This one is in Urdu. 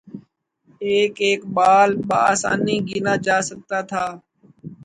ایک ایک بال با آسانی گنا جا سکتا تھا